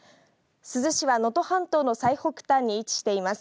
珠洲市は能登半島の最北端に位置しています。